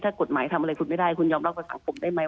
ถ้ากฎหมายทำอะไรคุณไม่ได้คุณยอมรับกับสังคมได้ไหม